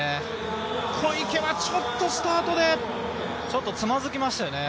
小池はちょっとスタートでちょっとつまずきましたよね。